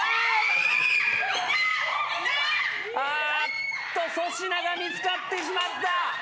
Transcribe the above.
あーっと粗品が見つかってしまった。